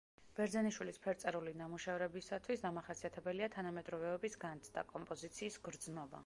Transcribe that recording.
ბერძენიშვილის ფერწერული ნამუშევრებისათვის დამახასიათებელია თანამედროვეობის განცდა, კომპოზიციის გრძნობა.